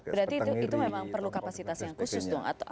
berarti itu memang perlu kapasitas yang khusus dong